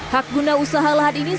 hak guna usaha lahan ini